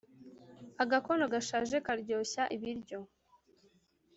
Agakono gashaje karyoshya ibiryo